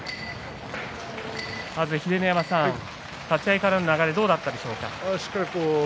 秀ノ山さん、立ち合いからの流れどうでしたか？